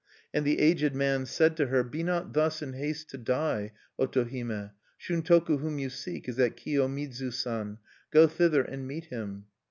And the aged man said to her: "Be not thus in haste to die, Otohime! Shuntoku whom you seek is at Kiyomidzu San: go thither and meet him."